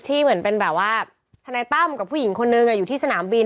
เหมือนเป็นแบบว่าทนายตั้มกับผู้หญิงคนนึงอยู่ที่สนามบิน